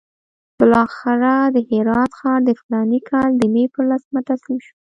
بالاخره د هرات ښار د فلاني کال د مې پر لسمه تسلیم شو.